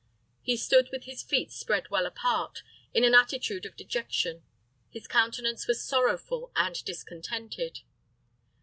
He stood with his feet spread well apart, in an attitude of dejection; his countenance was sorrowful and discontented.